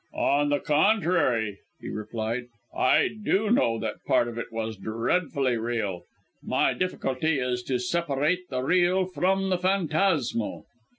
"On the contrary," he replied, "I do know that part of it was dreadfully real. My difficulty is to separate the real from the phantasmal."